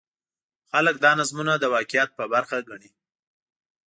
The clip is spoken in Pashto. خلک دا نظمونه د واقعیت برخه ګڼي.